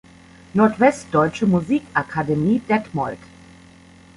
Nordwestdeutsche Musikakademie Detmold".